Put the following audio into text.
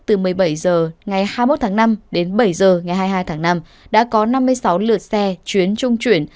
từ một mươi bảy h ngày hai mươi một tháng năm đến bảy h ngày hai mươi hai tháng năm đã có năm mươi sáu lượt xe chuyến trung chuyển